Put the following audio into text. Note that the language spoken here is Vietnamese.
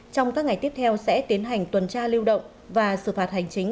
trong các ngày tiếp theo sẽ tiến hành tuần tra lưu động và xử phạt hành chính